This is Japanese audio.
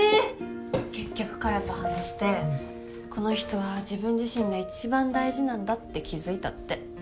結局彼と話してこの人は自分自身が一番大事なんだって気付いたって。